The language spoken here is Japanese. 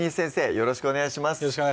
よろしくお願いします